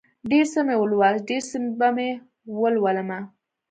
ډېر څه مې ولوست، ډېر څه به ولولمه